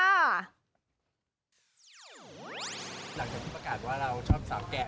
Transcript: หลังจากที่ประกาศว่าเราชอบสาวแก่